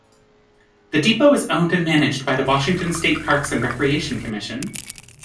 The depot is owned and managed by the Washington State Parks and Recreation Commission.